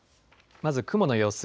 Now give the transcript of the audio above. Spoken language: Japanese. まず雲の様子。